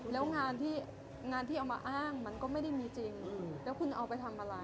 แล้วงานที่งานที่เอามาอ้างมันก็ไม่ได้มีจริงแล้วคุณเอาไปทำอะไร